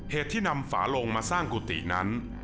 เหตุที่นำฝาลงมาสร้างกุฏินั้น